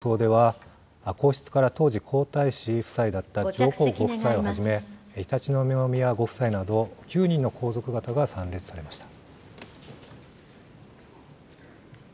昭和４２年に行われた吉田元総理の国葬では、皇室から当時、皇太子夫妻だった上皇ご夫妻をはじめ、常陸宮ご夫妻など、９人の皇族方が参列されました。